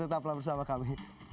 tetap bersama kami